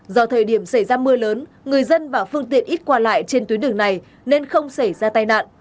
do thời điểm xảy ra mưa lớn người dân và phương tiện ít qua lại trên tuyến đường này nên không xảy ra tai nạn